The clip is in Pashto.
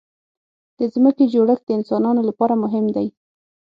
د ځمکې جوړښت د انسانانو لپاره مهم دی.